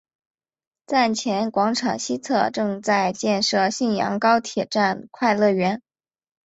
站前广场西侧正在建设信阳高铁站快乐园。